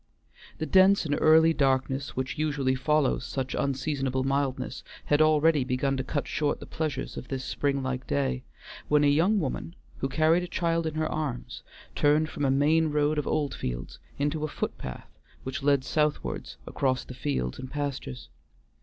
The dense and early darkness which usually follows such unseasonable mildness had already begun to cut short the pleasures of this spring like day, when a young woman, who carried a child in her arms, turned from a main road of Oldfields into a foot path which led southward across the fields and pastures.